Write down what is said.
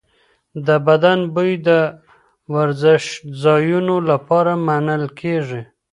د بدن بوی د ورزشځایونو لپاره منل کېږي.